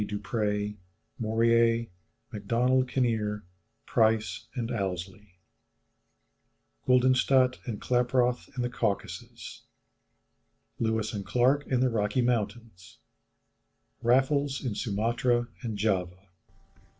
Dupré, Morier, Macdonald Kinneir, Price, and Ouseley Guldenstædt and Klaproth in the Caucasus Lewis and Clarke in the Rocky Mountains Raffles in Sumatra and Java.